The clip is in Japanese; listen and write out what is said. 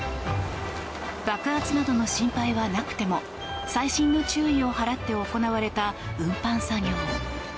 爆発などの心配はなくても細心の注意を払って行われた運搬作業。